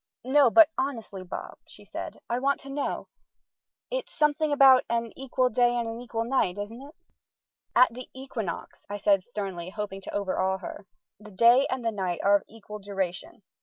"No; but honestly, Bob," she said, "I want to know. It's something about an equal day and an equal night, isn't it?" "At the equinox," I said sternly, hoping to overawe her, "the day and the night are of equal duration.